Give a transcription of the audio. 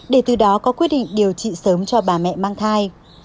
để từ đó có quyết định điều trị sớm cho bà mẹ mang thai